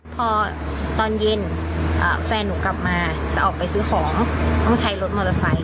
พอตอนเย็นแฟนหนูกลับมาจะออกไปซื้อของต้องใช้รถมอเตอร์ไซค